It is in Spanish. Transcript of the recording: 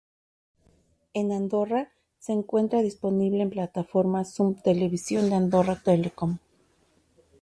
En Andorra se encuentra disponible en la plataforma Som Televisió de Andorra Telecom.